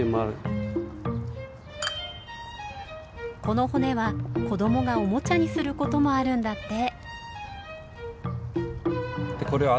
この骨は子どもがおもちゃにすることもあるんだって。